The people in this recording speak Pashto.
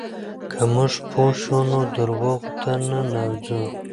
که موږ پوه شو، نو درواغو ته نه ځو.